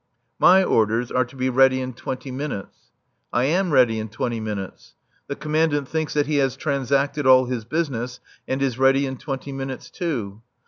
My orders are to be ready in twenty minutes. I am ready in twenty minutes. The Commandant thinks that he has transacted all his business and is ready in twenty minutes too.